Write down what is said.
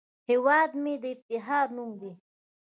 هیواد مې د افتخار نوم دی